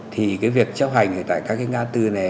thì việc chấp hành tại các ngã tư này